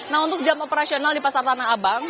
nah untuk jam operasional di pasar tanah abang